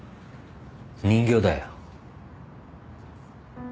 人形だよ。